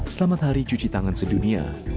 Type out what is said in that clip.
selamat hari cuci tangan sedunia